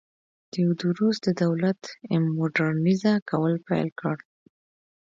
تیودوروس د دولت م وډرنیزه کول پیل کړل.